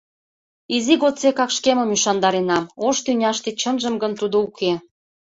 Изи годсекак шкемым ӱшандаренам – ош тӱняште чынжым гын тудо уке.